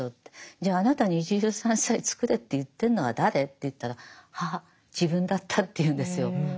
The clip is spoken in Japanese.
じゃああなたに一汁三菜作れって言ってんのは誰？って言ったらあ自分だったって言うんですよ。